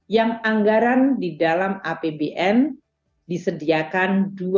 yang anggaran di dalam apbn disediakan